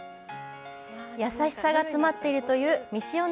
優しさが詰まっているというみしおね